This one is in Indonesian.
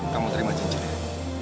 kamu terima cincinnya